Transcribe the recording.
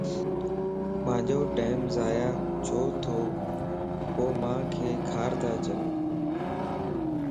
مانجو ٽيم ضائع ڇتوپومانک کارتا اچين